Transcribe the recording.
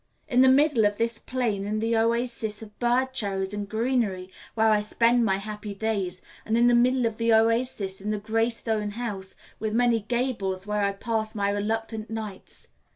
In the middle of this plain is the oasis of birdcherries and greenery where I spend my happy days, and in the middle of the oasis is the gray stone house with many gables where I pass my reluctant nights.